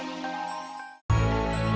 ujang lagi di rumah sakit